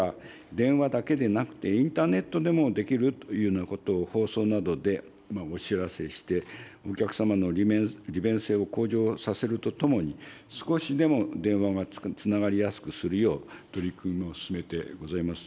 また、手続きは電話だけでなくて、インターネットでもできるというようなことを、放送などでお知らせして、お客様の利便性を向上させるとともに、少しでも電話がつながりやすくするよう、取り組みを進めてございます。